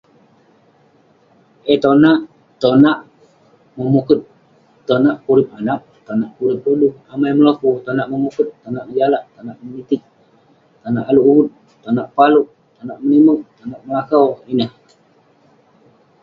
Eh tonak, tonak memuket, tonak purip anaq, tonak purip rodu, amai meloku, tonak memuket, tonak ngejalak, tonak memitiq, tonak alek uvut, tonak paleuk, tonak menimeq, tonak melakau, ineh.